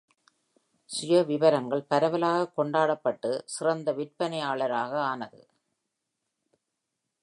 "சுயவிவரங்கள்" பரவலாக கொண்டாடப்பட்டு சிறந்த விற்பனையாளராக ஆனது.